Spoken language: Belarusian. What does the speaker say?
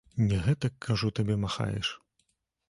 Не гэтак, кажу табе, махаеш!